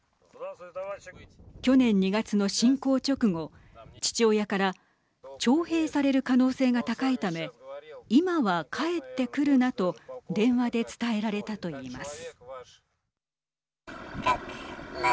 去年２月の侵攻直後父親から徴兵される可能性が高いため今は帰ってくるなと電話で伝えられたと言います。